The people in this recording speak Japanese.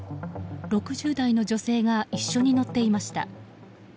６０代の女性が一緒に乗っていました。